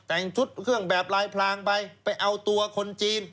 แต่งชุดเครื่องแบบลายพลางไปไปเอาตัวคนจีน